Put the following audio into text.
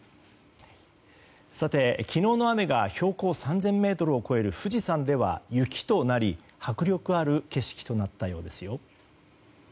さて、昨日の雨が標高３０００ｍを超える富士山では雪となり、迫力ある景色となったようですよ。